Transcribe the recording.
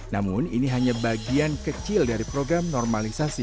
namun ini hanya bagian kecil dari program normalisasi